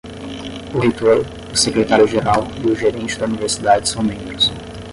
O reitor, o secretário geral e o gerente da universidade são membros.